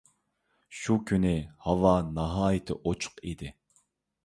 شۇ كۈنى ھاۋا ناھايىتى ئوچۇق ئىدى.